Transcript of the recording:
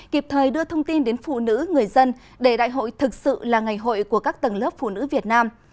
kịp thời đưa thông tin đến phụ nữ người dân để đại hội thực sự là ngày hội của các tầng lớp phụ nữ việt nam